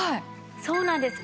そうなんです。